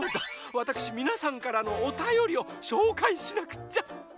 わたくしみなさんからのおたよりをしょうかいしなくっちゃ。